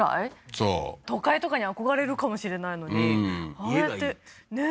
そう都会とかに憧れるかもしれないのに家がいいんですねえ